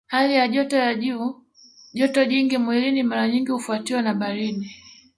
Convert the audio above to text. Hali joto ya juu joto jingi mwilini mara nyingi hufuatwa na baridi